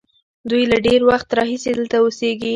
دوی له ډېر وخت راهیسې دلته اوسېږي.